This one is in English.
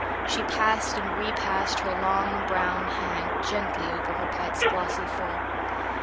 She passed and repassed her long brown hand gently over her pet's glossy fur.